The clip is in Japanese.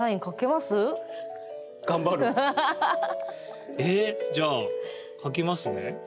はい。えじゃあ書きますね。